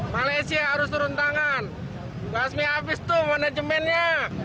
malaysia harus turun tangan resmi habis tuh manajemennya